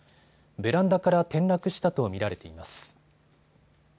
ベランダから転落したと見られています。